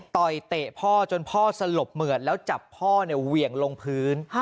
ต่อยเตะพ่อจนพ่อสลบเหมือดแล้วจับพ่อเนี่ยเหวี่ยงลงพื้น